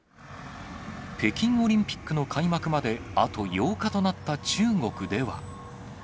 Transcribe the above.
北京オリンピックの開幕まであと８日となった中国では。